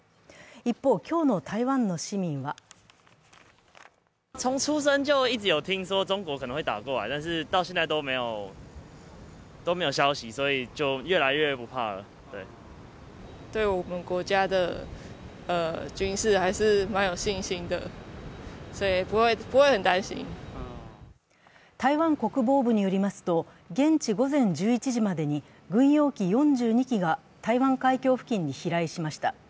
一方、今日の台湾の市民は台湾国防部によりますと現地午前１１時までに軍用機４２機が台湾海峡付近に飛来しました。